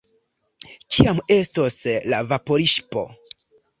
Kiam estos la vaporŝipo?